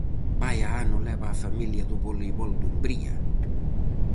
Vaia ano leva a familia do Voleibol Dumbría!